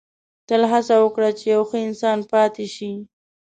• تل هڅه وکړه چې یو ښه انسان پاتې شې.